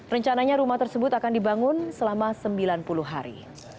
rencananya rumah tersebut akan dibangun selama sembilan puluh hari